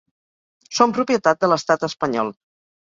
Són propietat de l'estat espanyol.